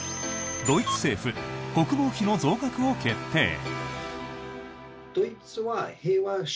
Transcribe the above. ドイツ政府国防費の増額を決定。